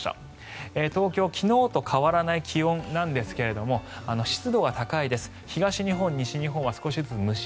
東京は昨日と変わらない気温なんですが湿度は高いです。